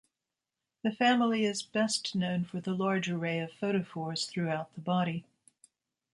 The family is best known for the large array of photophores throughout the body.